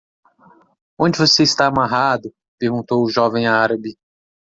"Onde você está amarrado?" perguntou o jovem árabe.